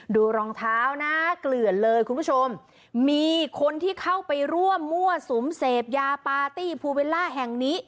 รองเท้านะเกลือนเลยคุณผู้ชมมีคนที่เข้าไปร่วมมั่วสุมเสพยาปาร์ตี้ภูเวลล่าแห่งนี้